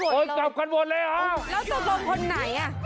ลุกกลับบ้านกันหมดเลยแล้วตกลงคนไหนอ่ะ